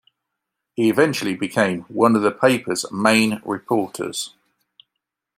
He eventually became one of the paper's main reporters.